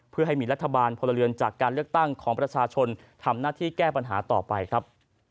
เพื่อให้มีรัฐบาลพลเรือนจากการเลือกตั้งของประชาชนทำหน้าที่แก้ปัญหาต่อไปครับ